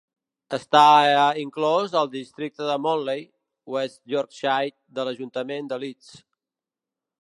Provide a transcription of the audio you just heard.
Està inclòs al districte de Morley, West Yorkshire, de l'ajuntament de Leeds.